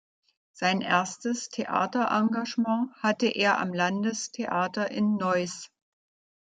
Sein erstes Theaterengagement hatte er am Landestheater in Neuss.